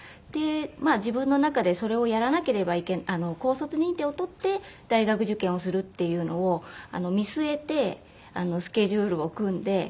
で自分の中でそれをやらなければ高卒認定を取って大学受験をするっていうのを見据えてスケジュールを組んで。